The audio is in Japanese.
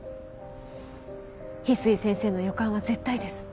翡翠先生の予感は絶対です。